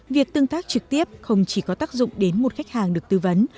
việc tương tác trực tiếp không chỉ có tác dụng đến một khách hàng được tư vấn